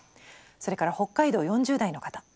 それから北海道４０代の方。